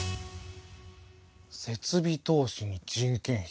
設備投資に人件費。